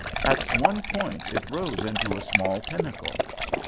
At one point it rose into a small pinnacle.